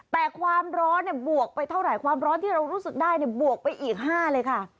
แต่ความร้อนบวกไปเท่าไหร่ความร้อนที่เรารู้สึกได้บวกไปอีก๕เลยค่ะ